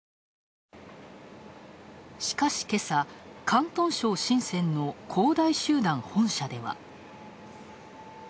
しかし、けさ、広東省深セン市の恒大集団本社では。